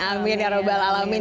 amin ya rabbal alamin